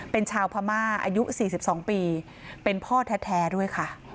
เป็นชาวพม่าอายุ๔๒ปีเป็นพ่อแท้ด้วยค่ะ